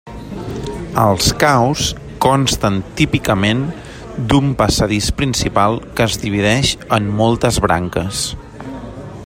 Els caus consten típicament d'un passadís principal que es divideix en moltes branques.